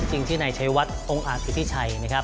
จริงชื่อไหนชัยวัดองค์อาทิตย์ชัยนะครับ